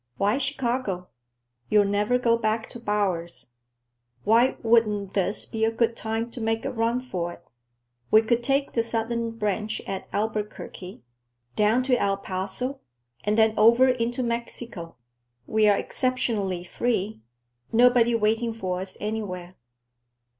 Why Chicago? You'll never go back to Bowers. Why wouldn't this be a good time to make a run for it? We could take the southern branch at Albuquerque, down to El Paso, and then over into Mexico. We are exceptionally free. Nobody waiting for us anywhere."